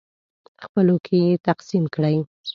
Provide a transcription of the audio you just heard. خپلو کې یې تقسیم کړئ.